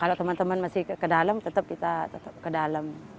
kalau teman teman masih ke dalam tetap kita tetap ke dalam